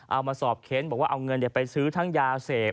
เอามาสอบเค้นบอกว่าเอาเงินไปซื้อทั้งยาเสพ